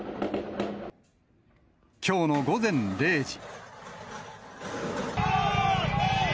きょうの午前０時。